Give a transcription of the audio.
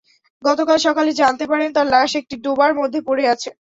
গতকাল সকালে জানতে পারেন, তার লাশ একটি ডোবার মধ্যে পড়ে আছে।